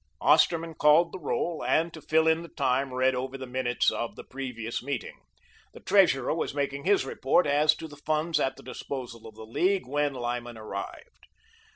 Osterman called the roll, and, to fill in the time, read over the minutes of the previous meeting. The treasurer was making his report as to the funds at the disposal of the League when Lyman arrived.